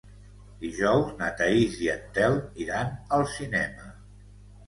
Dijous na Thaís i en Telm iran al cinema.